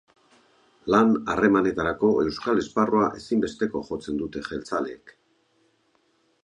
Lan harremanetarako euskal esparrua ezinbesteko jotzen dute jeltzaleek.